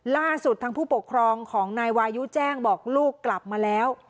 ล่าสุดทางผู้ปกครองของนายวายุแจ้งบอกลูกกลับมาแล้ว